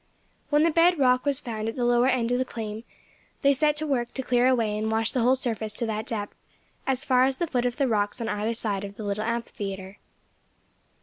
When the bed rock was found at the lower end of the claim, they set to work to clear away and wash the whole surface to that depth, as far as the foot of the rocks on either side of the little amphitheatre.